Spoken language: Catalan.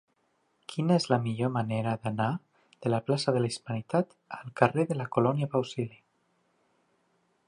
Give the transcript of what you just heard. Quina és la millor manera d'anar de la plaça de la Hispanitat al carrer de la Colònia Bausili?